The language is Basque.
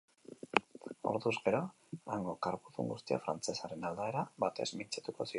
Orduz gero, hango kargudun guztiak frantsesaren aldaera batez mintzatuko ziren.